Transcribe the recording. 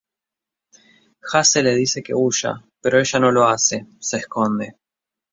Jace le dice que huya, pero ella no lo hace, se esconde.